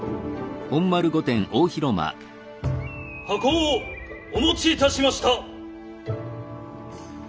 箱をお持ちいたしました。